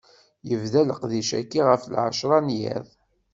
Yebda leqdic-agi ɣef lɛecra n yiḍ.